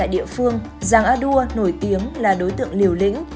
địa phương giàng a đua nổi tiếng là đối tượng liều lĩnh